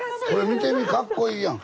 見てみかっこいいやん。